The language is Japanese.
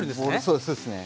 そうそうですね。